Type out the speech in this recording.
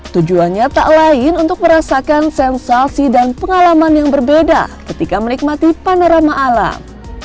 tujuannya tak lain untuk merasakan sensasi dan pengalaman yang berbeda ketika menikmati panorama alam